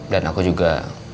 dan aku juga